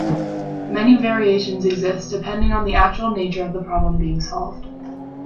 Many variations exist depending on the actual nature of the problem being solved.